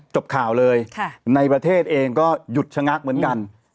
จบข่าวเลยในประเทศเองก็หยุดชะงักเหมือนกัน